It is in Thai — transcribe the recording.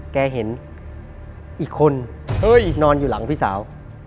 แกเห็นอีกคนนอนอยู่หลังพี่สาว